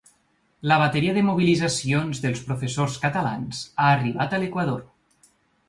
La bateria de mobilitzacions dels professors catalans ha arribat a l’equador.